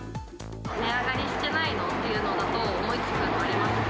値上がりしてないものっていうのだと、思いつくものありますか？